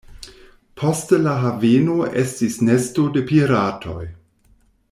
Poste la haveno estis nesto de piratoj.